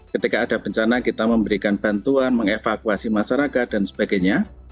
ketika ada bencana kita memberikan bantuan mengevakuasi masyarakat dan sebagainya